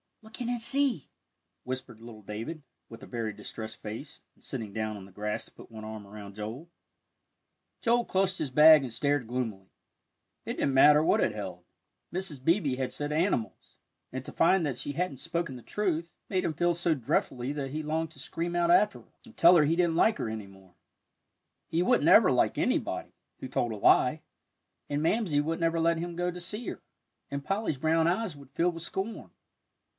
"Look in and see," whispered little David, with a very distressed face, and sitting down on the grass to put one arm around Joel. Joel clutched his bag and stared gloomily. It didn't matter what it held; Mrs. Beebe had said "animals," and to find that she hadn't spoken the truth, made him feel so dreadfully that he longed to scream out after her, and tell her he didn't like her any more. He wouldn't ever like anybody who told a lie; and Mamsie wouldn't ever let him go to see her, and Polly's brown eyes would fill with scorn.